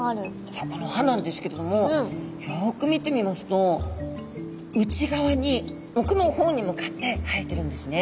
さっこの歯なんですけれどもよく見てみますと内側におくの方に向かって生えてるんですね。